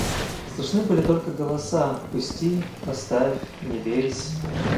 Слышны были только голоса: – Пусти! – Оставь! – Не лезь!